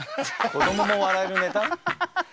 子どもも笑えるネタ？